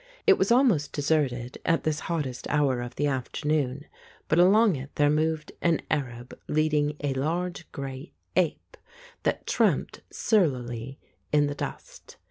It was almost deserted at this hottest hour of the afternoon, but along it there moved an Arab leading a large grey ape, that tramped surlily in the dust.